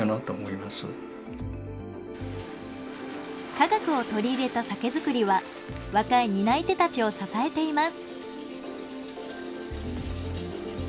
科学を取り入れた酒造りは若い担い手たちを支えています。